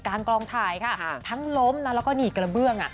การกล้องถ่ายค่ะทั้งล้มแล้วหยี่กระเบื้อง